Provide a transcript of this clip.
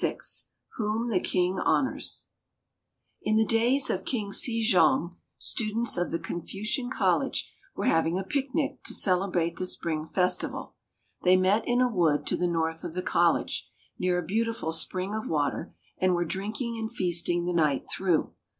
XXVI WHOM THE KING HONOURS In the days of King Se jong students of the Confucian College were having a picnic to celebrate the Spring Festival. They met in a wood to the north of the college, near a beautiful spring of water, and were drinking and feasting the night through.